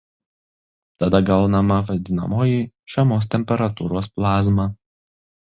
Tada gaunama vadinamoji "žemos temperatūros plazma".